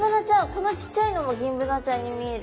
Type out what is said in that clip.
このちっちゃいのもギンブナちゃんに見える。